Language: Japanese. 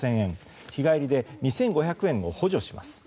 日帰りで２５００円を補助します。